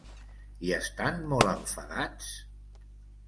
I estan molt enfadats?